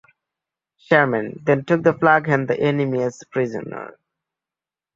Sherman then took the flag and the enemy as prisoner.